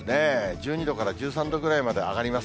１２度から１３度ぐらいまで上がります。